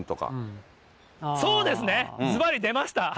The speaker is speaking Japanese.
そうですね、ずばり、出ました。